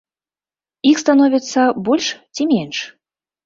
Іх становіцца больш ці менш?